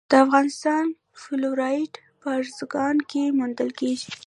د افغانستان فلورایټ په ارزګان کې موندل کیږي.